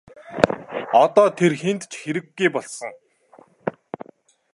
Одоо тэр хэнд ч хэрэггүй болсон.